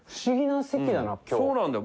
そうなんだよ。